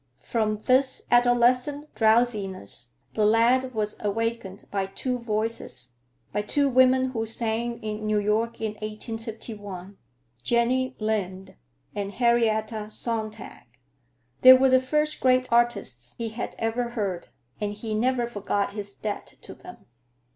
From this adolescent drowsiness the lad was awakened by two voices, by two women who sang in New York in 1851,—Jenny Lind and Henrietta Sontag. They were the first great artists he had ever heard, and he never forgot his debt to them.